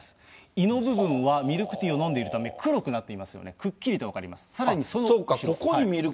胃の部分はミルクティーを飲んでいるため、黒くなっていますよね、くっきりと分かります。